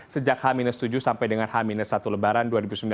sejak h tujuh sampai dengan h satu lebaran dua ribu sembilan belas